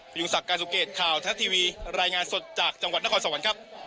พระยุงสักการสข่าวโทษที่วีรายงานสดจากจังหวัดนครสวรรค์ครับ